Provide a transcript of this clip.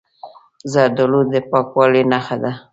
زردالو د پاکوالي نښه ده.